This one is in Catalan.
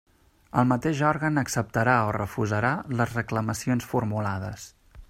El mateix òrgan acceptarà o refusarà les reclamacions formulades.